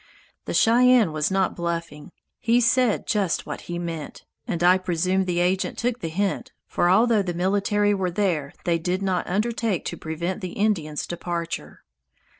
The Cheyenne was not bluffing. He said just what he meant, and I presume the agent took the hint, for although the military were there they did not undertake to prevent the Indians' departure.